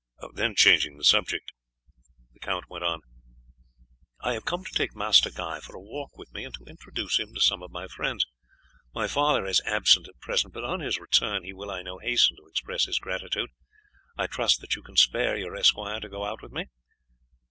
Then, changing the subject, he went on. "I have come to take Master Guy for a walk with me, and to introduce him to some of my friends. My father is absent at present, but on his return he will, I know, hasten to express his gratitude. I trust that you can spare your esquire to go out with me."